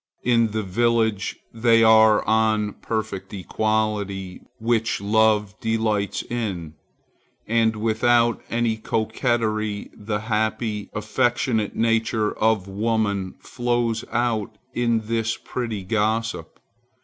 In the village they are on a perfect equality, which love delights in, and without any coquetry the happy, affectionate nature of woman flows out in this pretty gossip.